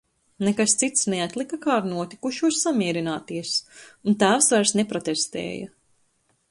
Nekas cits neatlika, kā ar notikušo samierināties, un tēvs vairs neprotestēja.